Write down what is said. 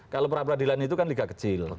kalau peradilan itu kan liga kecil